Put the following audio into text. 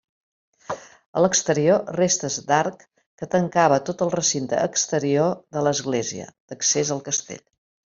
A l'exterior, restes d'arc que tancava tot el recinte exterior de l'església, d'accés al castell.